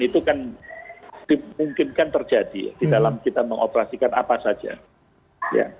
itu kan dimungkinkan terjadi di dalam kita mengoperasikan apa saja ya